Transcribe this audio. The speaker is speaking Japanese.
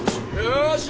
よし。